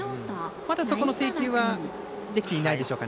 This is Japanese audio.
まだそこの制球はできていないでしょうか。